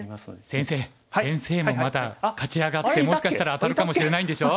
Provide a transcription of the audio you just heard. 先生もまだ勝ち上がってもしかしたら当たるかもしれないんでしょ？